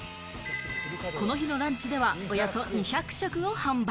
この日のランチでは、およそ２００食を販売。